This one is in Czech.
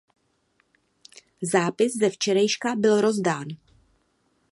Zápis ze včerejška byl rozdán.